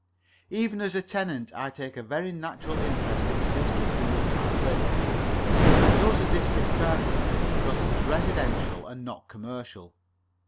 Even as a tenant I take a very natural interest in the district in which I live. I chose the district carefully, because it was residential, and not commercial.